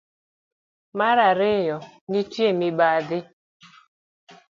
Mar ariyo, nitie mibadhi.